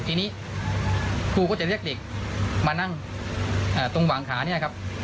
ทีนี้ครูก็จะเรียกเด็กมานั่งตรงหวังขา